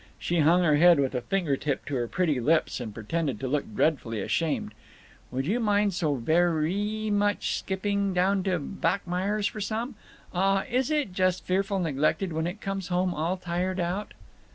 She hung her head, with a fingertip to her pretty lips, and pretended to look dreadfully ashamed. "Would you mind so ver ee much skipping down to Bachmeyer's for some? Ah h, is it just fearful neglected when it comes home all tired out?"